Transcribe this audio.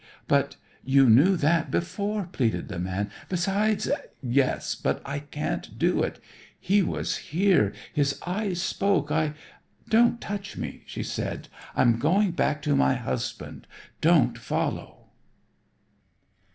"But you knew that before," pleaded the man. "Besides " "Yes, but I can't do it. He was there! His eyes spoke I don't touch me," she said; "I'm going back to my husband. Don't follow."